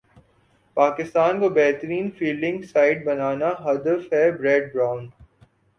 پاکستان کو بہترین fielding side بنانا ہدف ہے بریڈ برن